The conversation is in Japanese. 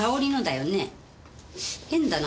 変だな